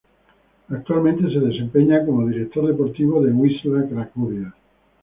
Actualmente se desempeña como director deportivo del Wisła Cracovia.